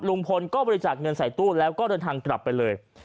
ลุงพลก็บริจาคเงินใส่ตู้แล้วก็เดินทางกลับไปเลย